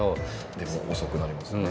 でも遅くなりますよね。